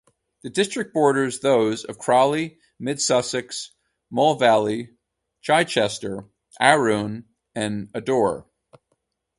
The district borders those of Crawley, Mid Sussex, Mole Valley, Chichester, Arun and Adur.